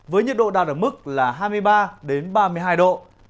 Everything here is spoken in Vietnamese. với nhiệt độ đạt ở mức là hai mươi ba đến ba mươi hai độ